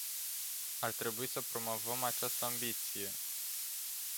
Ar trebui să promovăm această ambiție.